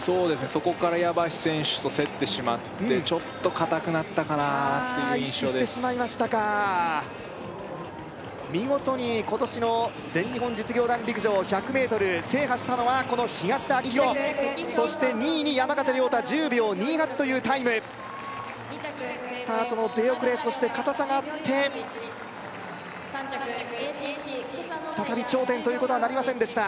そこから矢橋選手と競ってしまってちょっと硬くなったかなっていう印象です意識してしまいましたか見事に今年の全日本実業団陸上１００ｍ制覇したのはこの東田旺洋そして２位に山縣亮太１０秒２８というタイムスタートの出遅れそして硬さがあって再び頂点ということはなりませんでした